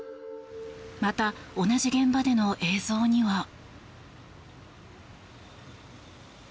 また、同じ現場での映像には。